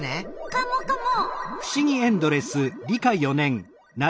カモカモ！